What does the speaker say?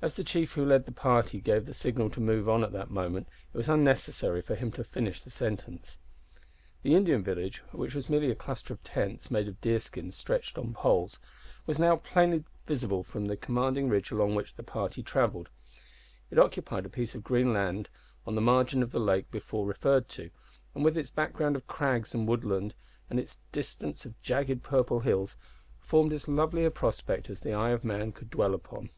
As the chief who led the party gave the signal to move on at that moment it was unnecessary for him to finish the sentence. The Indian village, which was merely a cluster of tents made of deerskins stretched on poles, was now plainly visible from the commanding ridge along which the party travelled. It occupied a piece of green level land on the margin of the lake before referred to, and, with its background of crag and woodland and its distance of jagged purple hills, formed as lovely a prospect as the eye of man could dwell upon.